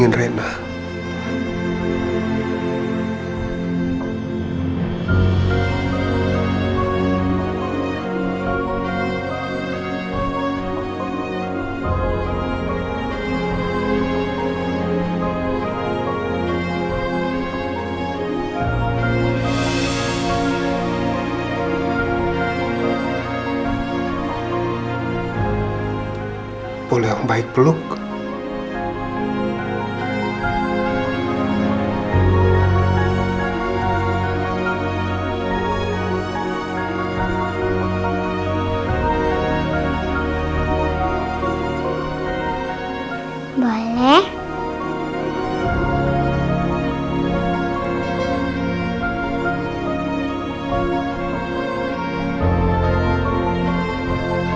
terima kasih banyak banyak